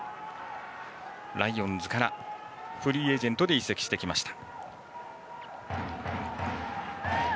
ライオンズからフリーエージェントで移籍してきました。